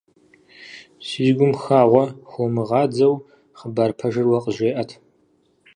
Си гум хагъуэ хыумыгъадзэу хъыбар пэжыр уэ къызжеӀэт.